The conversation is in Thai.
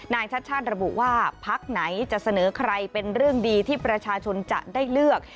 ชัดชาติระบุว่าพักไหนจะเสนอใครเป็นเรื่องดีที่ประชาชนจะได้เลือก